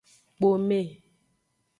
Kpome.